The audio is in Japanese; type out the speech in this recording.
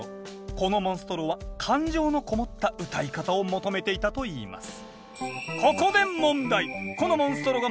このモンストロは感情のこもった歌い方を求めていたといいます